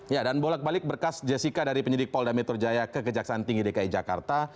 ya dan bolak balik berkas jessica dari penyidik polda metro jaya ke kejaksaan tinggi dki jakarta